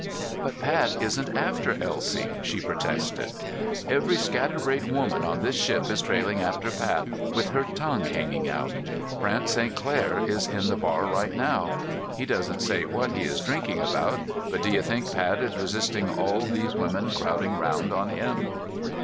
"But Pat isn't after Elsie," she protested. "Every scatter brained woman on this ship is trailing after Pat with her tongue hanging out. Brant St. Clair is in the bar right now. He doesn't say what he is drinking about, but do you think Pat is resisting all these women crowding down on him?"